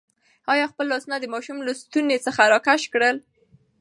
انا خپل لاسونه د ماشوم له ستوني څخه راکش کړل.